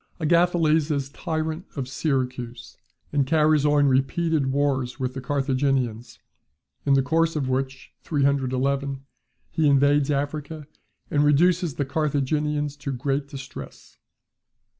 Agathocles is tyrant of Syracuse; and carries on repeated wars with the Carthaginians; in the course of which (311) he invades Africa, and reduces the Carthaginians to great distress.